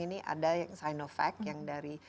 ini ada yang sinovac yang dari